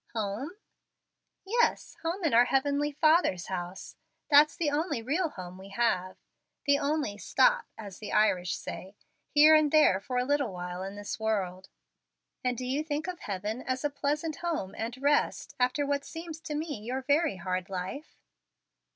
"Home?" "Yes, home in our Heavenly Father's house. That's the only real home we have. We only 'stop,' as the Irish say, here and there for a little while in this world." "And do you think of heaven as a pleasant home and rest after what seems to me your very hard life?"